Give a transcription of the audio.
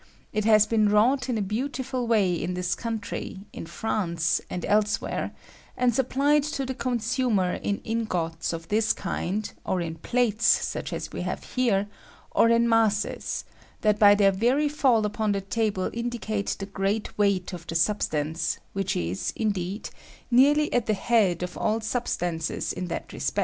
It has been wrought in a beautiful way in this coun try, in France, and elsewhere, and supplied to the consumer in ingots of this kind, or in plates, such aa we have here, or in masses, that by their very fall upon the table indicate the great weight of the substance, which is, indeed, near ly at the head of all substances in that respect.